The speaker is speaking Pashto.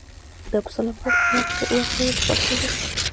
دا په سالنګ واټ کې واقع ده په پښتو ژبه.